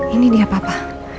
ini dia papa